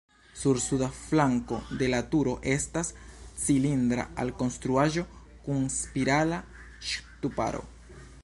Sur suda flanko de la turo estas cilindra alkonstruaĵo kun spirala ŝtuparo.